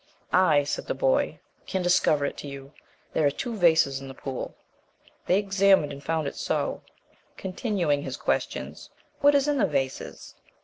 "I," said the boy, "can discover it to you: there are two vases in the pool;" they examined and found it so: continuing his questions, "What is in the vases?"